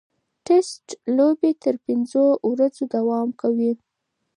ټېسټ لوبې تر پنځو ورځو دوام کوي.